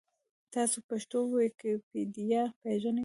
تاسو پښتو ویکیپېډیا پېژنۍ؟